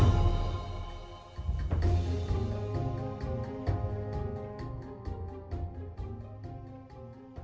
โปรดติดตามตอนต่อไป